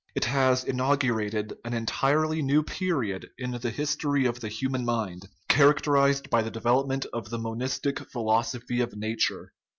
It has inaugurated an entirely new period in the history of the human mind, characterized by the development of the monistic phi losophy of nature.